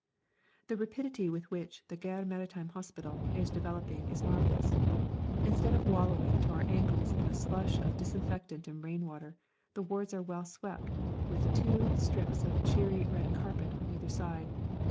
The rapidity with which the Gare Maritime Hospital is developing is marvellous. Instead of wallowing to our ankles in a slush of disinfectant and rain water, the wards are well swept, with two strips of cheery red carpet on either side.